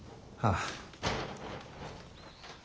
ああ。